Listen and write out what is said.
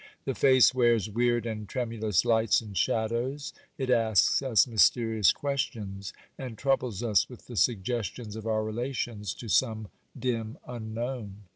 The face wears weird and tremulous lights and shadows; it asks us mysterious questions, and troubles us with the suggestions of our relations to some dim unknown.